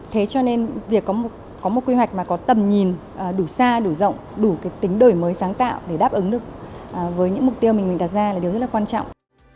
thế cho nên việc có một quy hoạch mà có tầm nhìn đủ xa đủ rộng đủ cái tính đổi mới sáng tạo để đáp ứng được với những mục tiêu mình mình đặt ra là điều rất là quan trọng